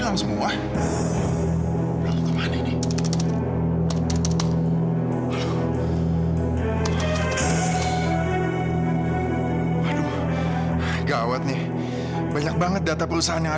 kamu tuh banyak banget alasannya